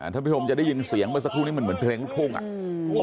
ถ้าพี่ผมจะได้ยินเสียงมาสักครู่นี้มันเหมือนเพลงทุ่งอ่ะ